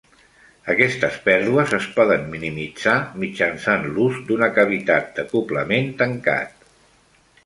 Aquestes pèrdues es poden minimitzar mitjançant l'ús d'una cavitat d'acoblament tancat.